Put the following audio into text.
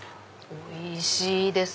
おいしいです。